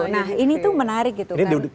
nah ini tuh menarik gitu kan